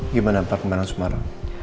gimana pak kemana sumara